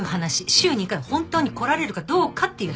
週２回本当に来られるかどうかっていう話。